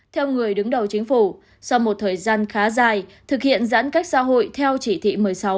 theo người đứng đầu chính phủ sau một thời gian khá dài thực hiện giãn cách xã hội theo chỉ thị một mươi sáu